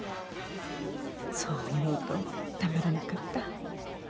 そう思うとたまらなかった。